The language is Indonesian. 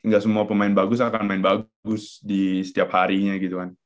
gak semua pemain bagus akan main bagus di setiap harinya gitu kan